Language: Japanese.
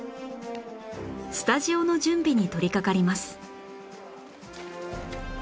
スタジオの準備に取りかかります